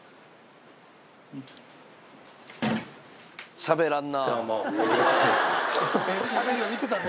しゃべらんな。